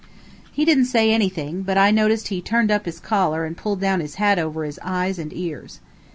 He didn't say anything, but I noticed he turned up his collar and pulled down his hat over his eyes and ears.